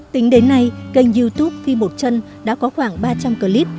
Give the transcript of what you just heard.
tính đến nay kênh youtube phi một chân đã có khoảng ba trăm linh clip